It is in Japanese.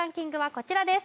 こちらです